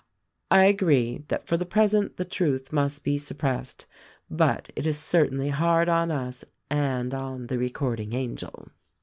I agree that for the present the truth must be suppressed — but it is certainly hard on us and on the 'Recording Angel.'